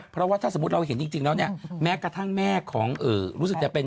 เพราะว่าถ้าสมมุติเราเห็นจริงแล้วเนี่ยแม้กระทั่งแม่ของรู้สึกจะเป็น